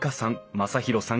正浩さん